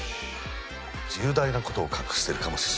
重大なことを隠しているかもしれない。